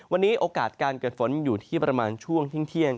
วันนี้โอกาสการเกิดฝนอยู่ที่ประมาณช่วงเที่ยง